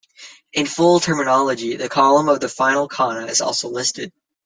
In full terminology, the column of the final kana is also listed.